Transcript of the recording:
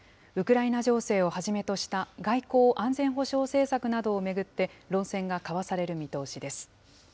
ウクライナ情勢をはじめとした外交・安全保障政策などを巡って、論戦が交わされる見通しです。